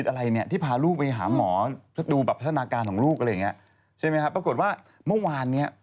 ใช่ไหมครับปรากฏว่าเมื่อวานเนี่ย